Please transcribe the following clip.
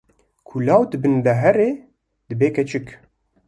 ku law di bin de here dibe keçik